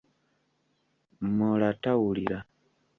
Moraa tawulira.